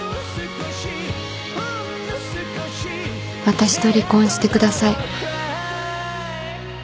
私と離婚してください。